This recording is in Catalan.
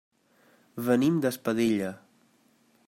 Venim d'Espadella.